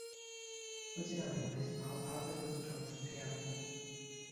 Podzielamy państwa obawy dotyczące cyjanku